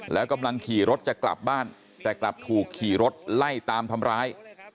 แล้วกำลังขี่รถจะกลับบ้านแต่กลับถูกขี่รถไล่ตามทำร้าย